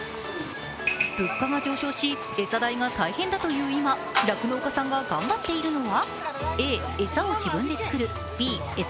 物価が上昇し、餌代が大変だという今、酪農家さんが頑張っているのは？